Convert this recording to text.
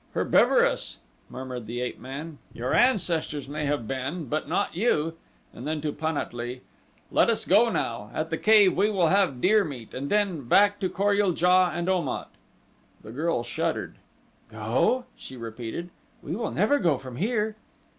"Herbivorous!" murmured the ape man. "Your ancestors may have been, but not you," and then to Pan at lee: "Let us go now. At the cave we will have deer meat and then back to Kor ul JA and Om at." The girl shuddered. "Go?" she repeated. "We will never go from here."